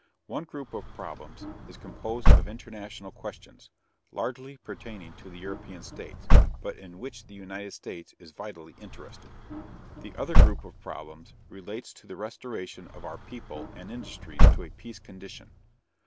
One group of problems is composed of international questions, largely pertaining to the European states, but in which the United States is vitally interested. The other group of problems relates to the restoration of our people and industries to a peace condition.